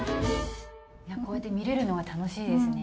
こうやって見れるのが楽しいですね。